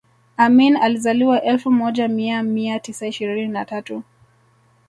Amin alizaliwa elfu moja mia mia tisa ishirini na tatu